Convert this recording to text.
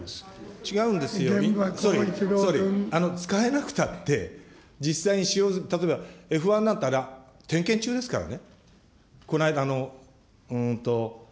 違うんですよ、総理、使えなくたって、実際に、例えば、エフワンなんてあれ、点検中ですからね。